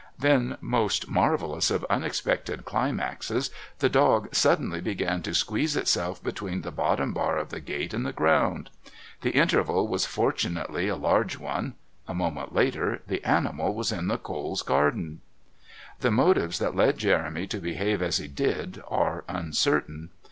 Then, most marvellous of unexpected climaxes, the dog suddenly began to squeeze itself between the bottom bar of the gate and the ground. The interval was fortunately a large one; a moment later the animal was in the Coles' garden. The motives that led Jeremy to behave as he did are uncertain.